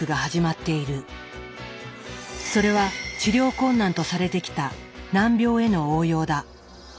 それは治療困難とされてきた難病への応用だ。